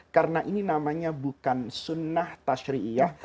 karena ini namanya bukan sunnah tashri'iyah